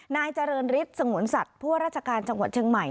นายเจริญฤทธิ์สงวนสัตว์ผู้ว่าราชการจังหวัดเชียงใหม่